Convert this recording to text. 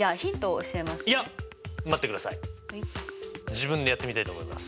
自分でやってみたいと思います。